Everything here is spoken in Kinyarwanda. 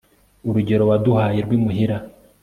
urugero waduhaye rw'imuhira